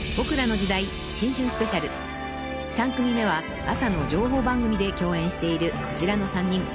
［３組目は朝の情報番組で共演しているこちらの３人］